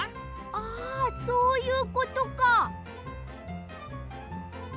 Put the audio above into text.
ああそういうことか！